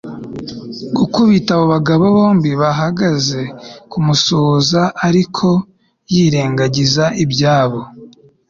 gukubita abo bagabo bombi. bahagaze kumusuhuza ariko yirengagiza ibyabo